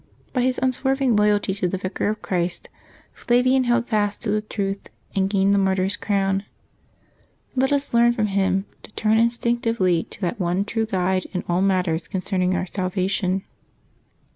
— By his unswerving loyalty to the Vicar of Christ, Flavian held fast to the truth and gained the martyr's crown. Let us learn from him to turn instinc tively to that one true guide in all matters concerning our salvation.